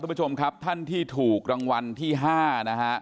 ผู้ชมครับท่านที่ถูกรางวัลที่๕นะฮะ